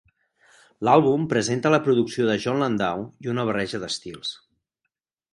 L'àlbum presenta la producció de Jon Landau i una barreja d'estils.